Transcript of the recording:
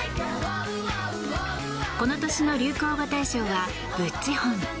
この年の流行語大賞はブッチホン。